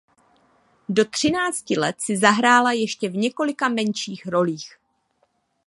Do třinácti let si zahrála ještě v několika menších rolích.